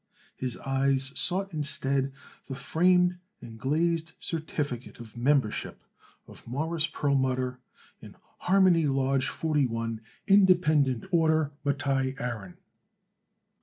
His eyes sought instead the framed and glazed certificate of membership of Morris Perlmutter in Harmony Lodge 41, Independent Order Mattai Aaron.